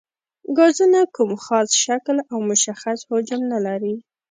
ګازونه کوم خاص شکل او مشخص حجم نه لري.